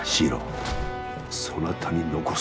そなたに残す。